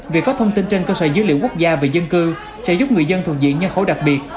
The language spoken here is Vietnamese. việc có thông tin trên cơ sở dữ liệu quốc gia về dân cư sẽ giúp người dân thuộc diện nhân khẩu đặc biệt